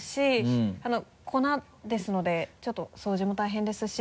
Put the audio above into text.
粉ですのでちょっと掃除も大変ですし。